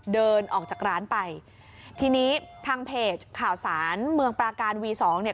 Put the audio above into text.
เดินออกจากร้านไปทีนี้ทางเพจข่าวสารเมืองปราการวีสองเนี่ย